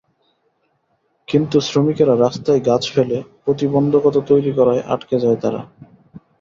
কিন্তু শ্রমিকেরা রাস্তায় গাছ ফেলে প্রতিবন্ধকতা তৈরি করায় আটকে যায় তারা।